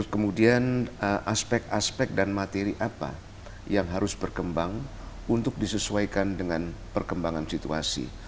kemudian aspek aspek dan materi apa yang harus berkembang untuk disesuaikan dengan perkembangan situasi